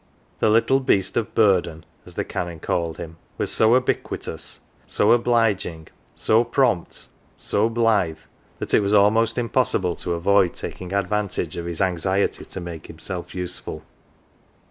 The " little beast of burden," as the Canon called him, was so ubiquitous, so obliging, so prompt, so blithe, that it was almost impossible to avoid taking advantage of his anxiety to make himself useful.